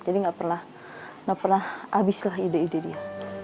jadi nggak pernah abislah ide ide dia